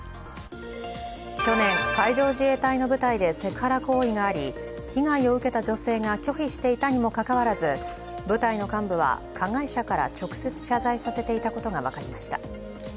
去年、海上自衛隊の部隊でセクハラ行為があり被害を受けた女性が拒否していたにもかかわらず部隊の幹部は加害者から直接謝罪させていたことが分かりました。